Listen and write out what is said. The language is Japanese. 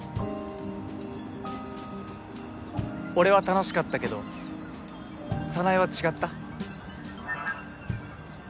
俺は楽しかったけど早苗は違った？